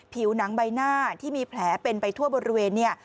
ผิวหนังใบหน้าที่มีแผลเป็นไปทั่วบริเวณเนี่ย